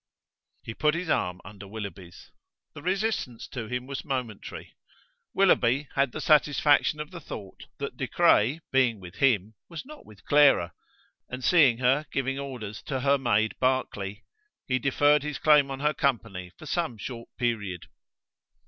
He put his arm under Willoughby's. The resistance to him was momentary: Willoughby had the satisfaction of the thought that De Craye being with him was not with Clara; and seeing her giving orders to her maid Barclay, he deferred his claim on her company for some short period.